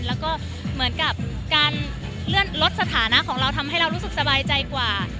แล้วก็เหมือนกับการเลื่อนลดสถานะของเราทำให้เรารู้สึกสบายใจกว่า